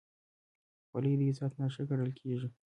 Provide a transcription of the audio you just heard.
خولۍ د عزت نښه ګڼل کېږي.